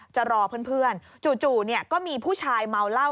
จะรอเพื่อนจู่ก็มีผู้ชายเมาเหล้า